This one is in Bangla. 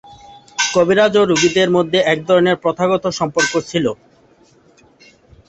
কবিরাজ ও রোগীদের মধ্যে এক ধরনের প্রথাগত সম্পর্ক ছিল।